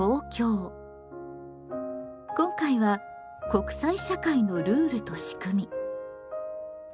今回は「国際社会のルールとしくみ」。